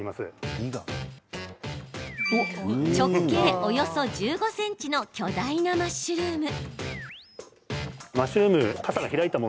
直径およそ１５ｃｍの巨大なマッシュルーム！